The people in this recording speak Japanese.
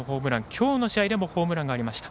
今日の試合でもホームランがありました。